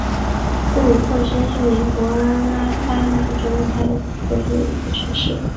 布鲁克山是美国阿拉巴马州下属的一座城市。